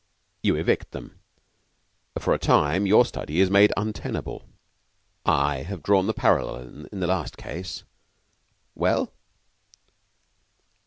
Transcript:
You evict them. For a time your study is made untenable. I have drawn the parallel in the last case. Well?"